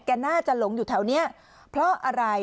น่าจะหลงอยู่แถวนี้เพราะอะไร